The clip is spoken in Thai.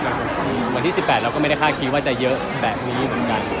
เหมือนที่๑๘แล้วก็ไม่ได้ค่าคิดว่าจะเยอะแบบนี้เหมือนกัน